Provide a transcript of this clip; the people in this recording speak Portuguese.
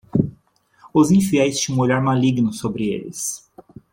Os infiéis tinham um olhar maligno sobre eles.